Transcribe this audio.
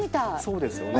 そうですよね。